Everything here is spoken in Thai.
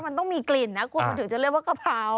มันต้องมีกลิ่นนะคุณมันถึงจะเรียกว่ากะเพรา